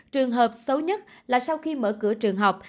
trường hợp xấu nhất là sau khi mở cửa trường học